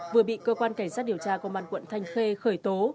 vừa bị cơ quan cảnh sát điều tra công an quận thanh khê khởi tố